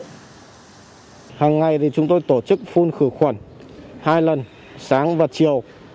hàng ngày thì chúng tôi tổ chức phun khử khuẩn hai lần sáng và chiều